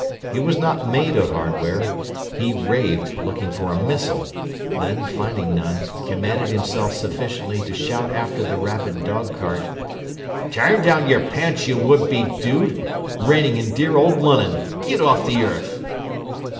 He was not made of hardware: he raved, looking for a missile; then, finding none, commanded himself sufficiently to shout after the rapid dog cart: "Turn down your pants, you would be dude! Raining in dear ole Lunnon! Git off the earth!"